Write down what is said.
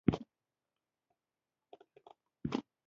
يوه ورځ یې بت په دیوال وواهه او مات شو.